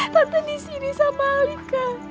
tante disini sama alika